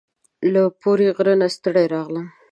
له پوري غره نه ستړي راغلم